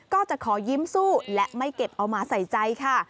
ก็จะขอยิ้มสู้และไม่เก็บเอามาใส่ใจค่ะ